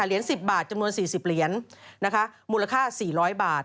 เหรียญ๑๐บาทจำนวน๔๐เหรียญนะคะมูลค่า๔๐๐บาท